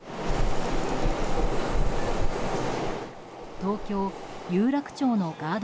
東京・有楽町のガード